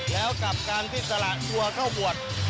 แล้วกับการที่สละตัวเข้าบวช